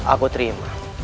aku terima hormat kalian